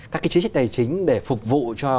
các cái chiến trích tài chính để phục vụ cho